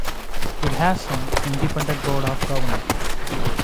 It has an independent board of governors.